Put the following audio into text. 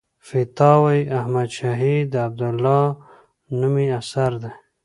فتاوی احمدشاهي د عبدالله نومي اثر دی.